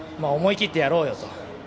思い切ってやろうよと。